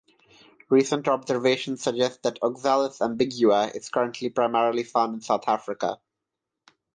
Recent observations suggest that "Oxalis ambigua" is currently primarily found in South Africa.